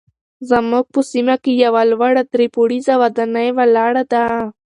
زموږ په سیمه کې یوه لوړه درې پوړیزه ودانۍ ولاړه ده.